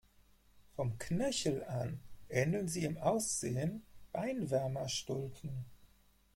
Vom Knöchel an ähneln sie im Aussehen Beinwärmer-Stulpen.